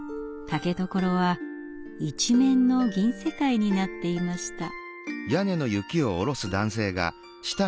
竹所は一面の銀世界になっていました。